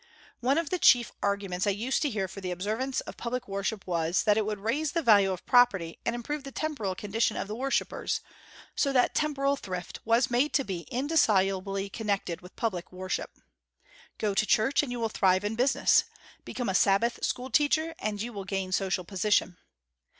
One of the chief arguments I used to hear for the observance of public worship was, that it would raise the value of property and improve the temporal condition of the worshippers, so that temporal thrift was made to be indissolubly connected with public worship. "Go to church, and you will thrive in business. Become a Sabbath school teacher, and you will gain social position."